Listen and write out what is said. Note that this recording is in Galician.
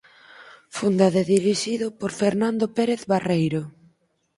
Fundado e dirixido por Fernando Pérez Barreiro.